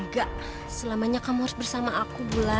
enggak selamanya kamu harus bersama aku bulan